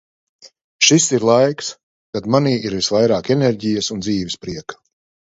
Šis ir laiks. Kad manī ir visvairāk enerģijas un dzīvesprieka.